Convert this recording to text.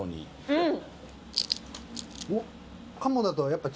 うん！